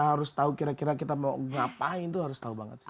harus tahu kira kira kita mau ngapain tuh harus tahu banget sih